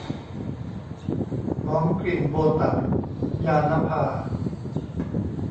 หอมกลิ่นโบตั๋น - ญาณภา